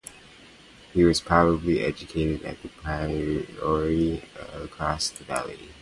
He was probably educated at the priory across the valley.